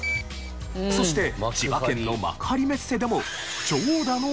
そして千葉県の幕張メッセでも長蛇の列が。